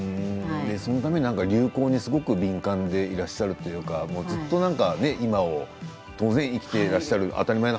そのために流行に敏感にいらっしゃるというかずっと今を当然、生きていらっしゃる。